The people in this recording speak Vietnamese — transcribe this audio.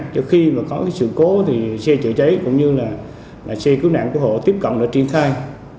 cho khi có sự cố thì xe chữa trái cũng như là xe cứu nạn cứu hộ tiếp cận là triển thai